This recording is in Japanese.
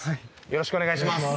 よろしくお願いします！